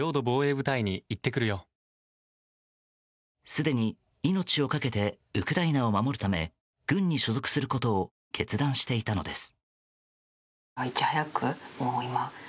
すでに、命を懸けてウクライナを守るため軍に所属することを決断していたのです。